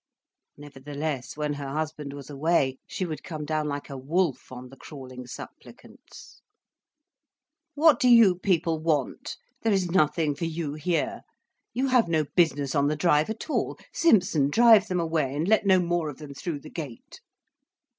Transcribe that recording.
Nevertheless, when her husband was away, she would come down like a wolf on the crawling supplicants: "What do you people want? There is nothing for you here. You have no business on the drive at all. Simpson, drive them away and let no more of them through the gate."